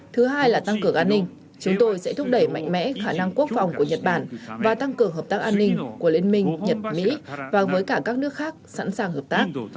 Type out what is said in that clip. thứ hai là tăng cường an ninh chúng tôi sẽ thúc đẩy mạnh mẽ khả năng quốc phòng của nhật bản và tăng cường hợp tác an ninh của liên minh nhật mỹ và với cả các nước khác sẵn sàng hợp tác